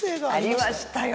ありましたよ。